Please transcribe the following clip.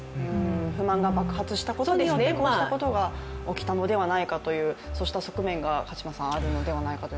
不満が爆発したことによって、こうしたことが起きたのではないかというそうした側面があるという。